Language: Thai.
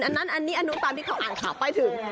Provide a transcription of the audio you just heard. อันนั้นนี่อาณุคค์ตามที่เขาอ่านข่าวไปถึง